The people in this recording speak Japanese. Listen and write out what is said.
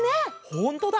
ほんとだ！